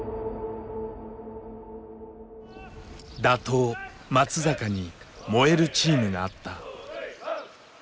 打倒・松坂に燃えるチームがあった。